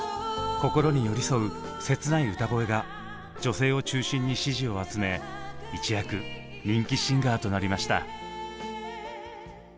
心に寄り添う切ない歌声が女性を中心に支持を集め一躍人気シンガーとなりました。